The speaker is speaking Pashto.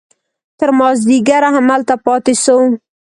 تر مازديګره هملته پاته سو.